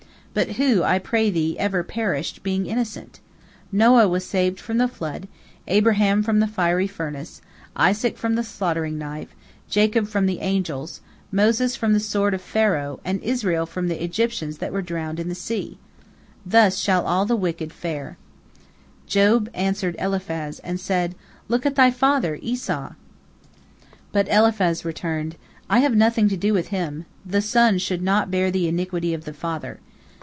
But who, I pray thee, ever perished, being innocent? Noah was saved from the flood, Abraham from the fiery furnace, Isaac from the slaughtering knife, Jacob from angels, Moses from the sword of Pharaoh, and Israel from the Egyptians that were drowned in the Sea. Thus shall all the wicked fare." Job answered Eliphaz, and said, "Look at thy father Esau!" But Eliphaz returned: "I have nothing to do with him, the son should not bear the iniquity of the father.